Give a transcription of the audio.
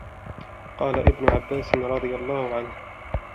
قَالَ ابْنُ عَبَّاسٍ رَضِيَ اللَّهُ عَنْهُ